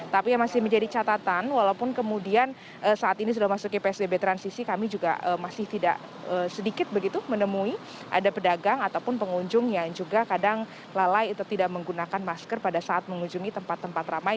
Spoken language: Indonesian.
tapi yang masih menjadi catatan walaupun kemudian saat ini sudah masuk ke psbb transisi kami juga masih tidak sedikit begitu menemui ada pedagang ataupun pengunjung yang juga kadang lalai atau tidak menggunakan masker pada saat mengunjungi tempat tempat ramai